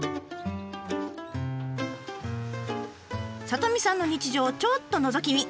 里美さんの日常をちょっとのぞき見。